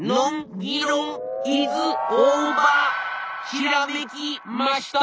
「ひらめきました」。